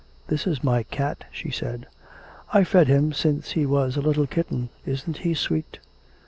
'This is my cat,' she said. 'I've fed him since he was a little kitten; isn't he sweet?'